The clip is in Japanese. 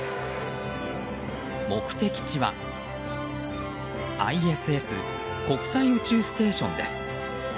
目的地はＩＳＳ・国際宇宙ステーションです。